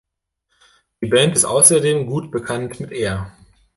Die Band ist außerdem gut bekannt mit Air.